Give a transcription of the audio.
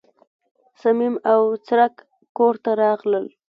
صمیم او څرک کور ته راغلل.